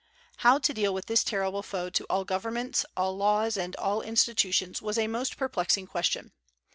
How to deal with this terrible foe to all governments, all laws, and all institutions was a most perplexing question.